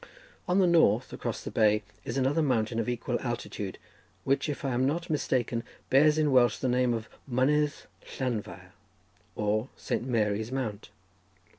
On the north, across the bay, is another mountain of equal altitude, which, if I am not mistaken, bears in Welsh the name of Mynydd Llanfair, or Saint Mary's Mount.